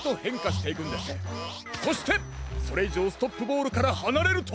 そしてそれいじょうストップボールからはなれると！